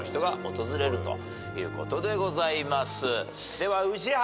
では宇治原。